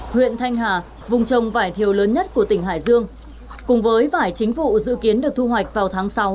huyện thanh hà vùng trồng vải thiều lớn nhất của tỉnh hải dương cùng với vải chính vụ dự kiến được thu hoạch vào tháng sáu